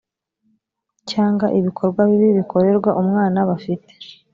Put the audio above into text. cyangwa ibikorwa bibi bikorerwa umwana bafite